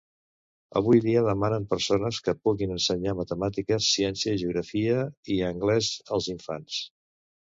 Avui dia, demanen persones que puguin ensenyar matemàtiques, ciència, geografia i anglès als infants.